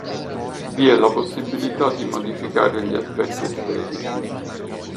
Vi è la possibilità di modificare gli aspetti estetici.